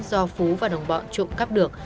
do phú và đồng bọn trộm cắp được